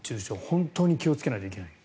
本当に気をつけないといけない。